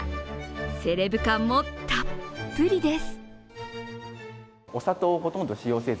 セレブ感も、たっぷりです。